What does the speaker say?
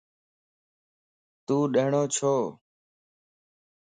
تو ڏڻھوَ ڇو؟